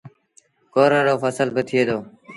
ڪورڙ رو ڦسل با ٿئي دو